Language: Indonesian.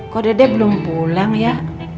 kok dedek belum pulang ya